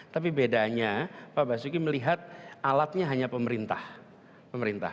tapi bedanya pak basuki melihat alatnya hanya pemerintah pemerintah